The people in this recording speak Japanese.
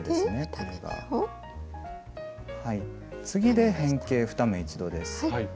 次で変形２目一度です。